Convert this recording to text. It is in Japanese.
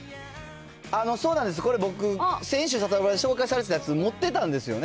そうなんです、これ僕、先週、サタプラで紹介されてたやつ、持ってたんですよね。